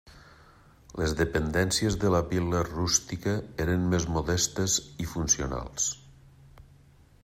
Les dependències de la vil·la rústica eren més modestes i funcionals.